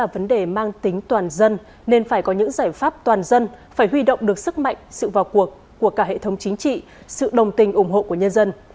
vấn đề mang tính toàn dân nên phải có những giải pháp toàn dân phải huy động được sức mạnh sự vào cuộc của cả hệ thống chính trị sự đồng tình ủng hộ của nhân dân